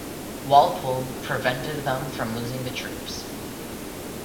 Walpole prevented them from losing the troops.